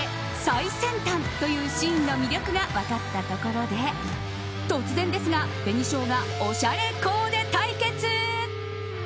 最先端！というＳＨＥＩＮの魅力が分かったところで突然ですが紅しょうがオシャレコーデ対決！